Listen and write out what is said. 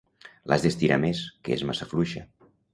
L'has d'estirar més, que és massa fluixa.